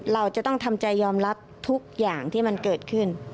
เราจะต้องทำใจยอมรับทุกอย่างที่มันเกิดขึ้น